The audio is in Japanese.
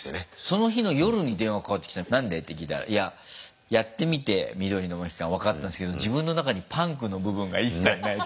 その日の夜に電話かかってきて何で？って聞いたらいややってみて緑のモヒカン分かったんですけど自分の中にパンクの部分が一切ない。